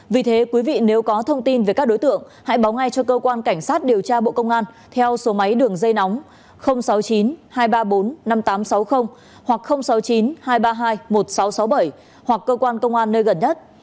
vì thế quý vị nếu có thông tin về các đối tượng hãy báo ngay cho cơ quan cảnh sát điều tra bộ công an theo số máy đường dây nóng sáu mươi chín hai trăm ba mươi bốn năm nghìn tám trăm sáu mươi hoặc sáu mươi chín hai trăm ba mươi hai một nghìn sáu trăm sáu mươi bảy hoặc cơ quan công an nơi gần nhất